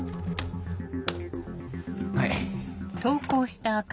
はい。